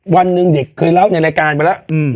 วันหนึ่งเด็กเคยเล่าในรายการไปแล้ว